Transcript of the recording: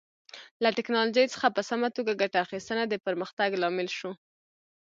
له ټکنالوژۍ څخه په سمه توګه ګټه اخیستنه د پرمختګ لامل شو.